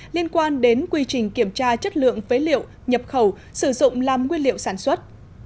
liên quan đến quy trình kiểm tra chất lượng phế liệu nhập khẩu sử dụng làm nguyên liệu sản xuất